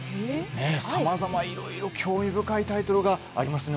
さまざま興味深いタイトルがありますね